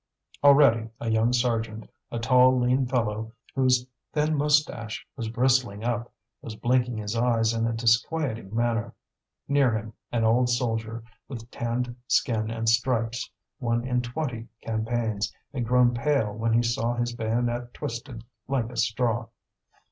Already a young sergeant, a tall lean fellow whose thin moustache was bristling up, was blinking his eyes in a disquieting manner. Near him an old soldier, with tanned skin and stripes won in twenty campaigns, had grown pale when he saw his bayonet twisted like a straw.